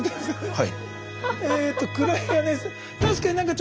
はい。